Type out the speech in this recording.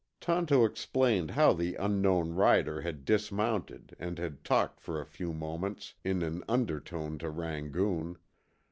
Tonto explained how the unknown rider had dismounted and had talked for a few moments in an undertone to Rangoon.